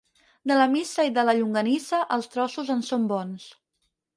De la missa i de la llonganissa, els trossos en són bons.